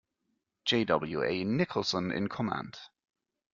J. W. A. Nicholson in command.